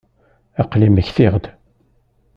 Aql-i mmektiɣ-d.